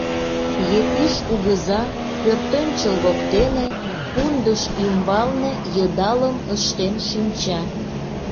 Епиш кугыза пӧртӧнчыл воктене пундыш ӱмбалне йыдалым ыштен шинча.